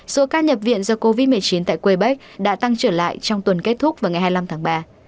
số ca nhập viện do covid một mươi chín tại quebec đã tăng trở lại trong tuần kết thúc vào ngày hai mươi năm tháng ba